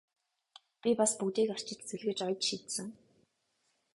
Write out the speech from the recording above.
Би бас л бүгдийг арчиж зүлгэж оёж шидсэн!